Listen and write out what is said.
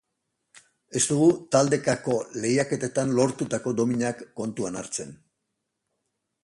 Ez dugu taldekako lehiaketetan lortutako dominak kontuan hartzen.